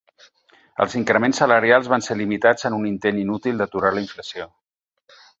Els increments salarials van ser limitats en un intent inútil d'aturar la inflació.